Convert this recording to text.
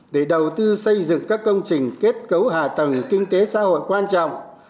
để đầu tư xây dựng các công trình kết cấu hạ tầng kinh tế xã hội quan trọng